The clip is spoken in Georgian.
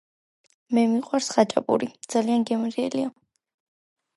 მე მიყვარს ხაჭაპური, ძაან გემრიელია